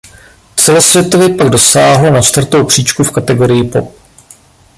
Celosvětově pak dosáhlo na čtvrtou příčku v kategorii pop.